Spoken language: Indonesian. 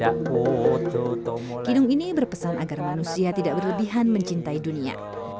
kidung ini berpesan agar manusia tidak berlebihan mencintai dunia